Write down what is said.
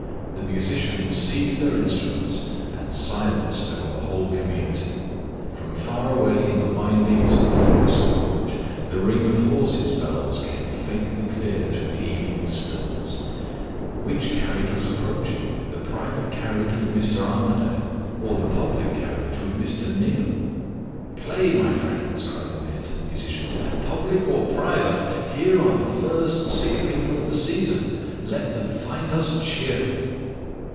The musicians seized their instruments, and silence fell on the whole community. From far away in the windings of the forest gorge, the ring of horses' bells came faintly clear through the evening stillness. Which carriage was approaching the private carriage with Mr. Armadale, or the public carriage with Mr. Neal? "Play, my friends!" cried the mayor to the musicians. "Public or private, here are the first sick people of the season. Let them find us cheerful."